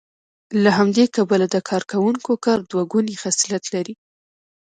له همدې کبله د کارکوونکو کار دوه ګونی خصلت لري